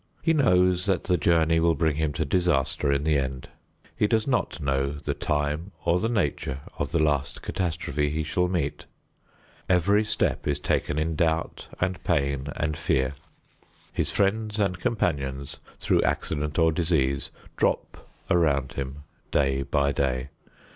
He knows that the journey will bring him to disaster in the end. He does not know the time or the nature of the last catastrophe he shall meet. Every step is taken in doubt and pain and fear. His friends and companions, through accident or disease, drop around him day by day.